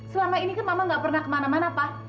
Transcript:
selama ini kan mama nggak pernah kemana mana pa